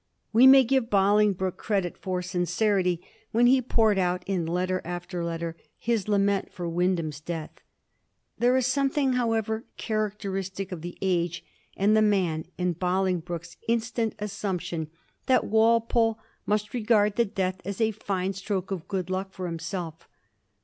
We may give Bolingbroke credit for sincerity when he poured out, in letter after letter, his lament for Wyndham's death. There is something, however, characteristic of the age and the man in Bolingbroke's instant assumption that Walpole must regard the death as a fine stroke of good luck for himself.